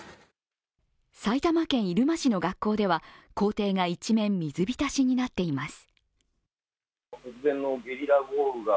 埼玉県入間市の学校では校庭が一面、水浸しになっています。